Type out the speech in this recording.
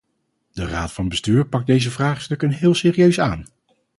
De raad van bestuur pakt deze vraagstukken heel serieus aan.